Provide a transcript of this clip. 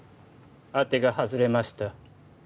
当てが外れました